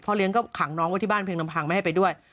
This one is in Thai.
เลี้ยงก็ขังน้องไว้ที่บ้านเพียงลำพังไม่ให้ไปด้วย